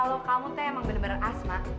kalo kamu teh emang bener bener asma